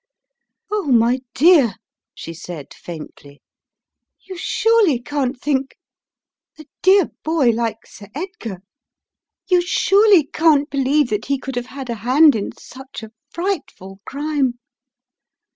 "Oh, my dear," she said, faintly, "you surely can't think — a dear boy like Sir Edgar. You surely can't The Plot Thickens 165 believe that he could have had a hand in such a fright ful crime?"